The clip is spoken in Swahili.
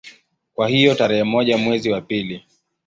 Kwa hiyo tarehe moja mwezi wa pili